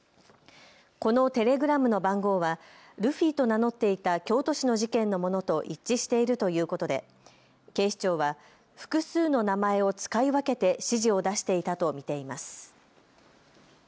このテレグラムの番号はルフィと名乗っていた京都市の事件のものと一致しているということで警視庁は複数の名前を使い分けて指示を出していたと見ています。